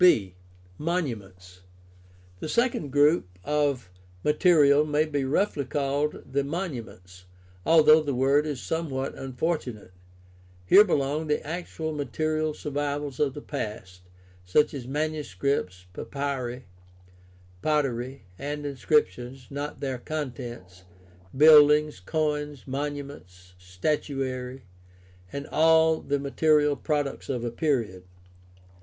b) Monuments. — The second group of rriaterial may be roughly called the monuments, although the word is some what unfortunate. Here belong the actual material sur vivals of the past, such as manuscripts, papyri, pottery, and inscriptions (not their contents), buildings, coins, monuments, statuary, and all the material products of a period.